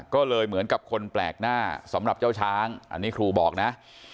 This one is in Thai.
ก็เลยเหมือนกับคนแปลกหน้าสำหรับเจ้าช้างอันนี้ครูบอกนะ